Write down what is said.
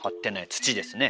土ですね。